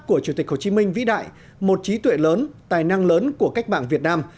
của chủ tịch hồ chí minh vĩ đại một trí tuệ lớn tài năng lớn của cách mạng việt nam